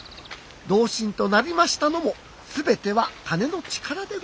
同心となりましたのもすべては金の力でございます。